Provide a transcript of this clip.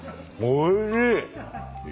おいしい！